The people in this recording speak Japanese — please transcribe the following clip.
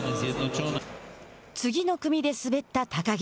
次の組で滑った高木。